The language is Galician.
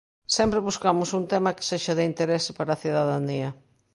Sempre buscamos un tema que sexa de interese para a cidadanía.